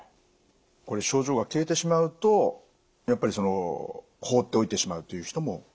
これ症状が消えてしまうとやっぱり放っておいてしまうという人も多いんじゃないですか？